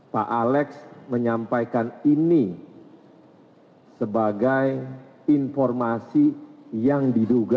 pak alex menyampaikan ini sebagai informasi yang diduga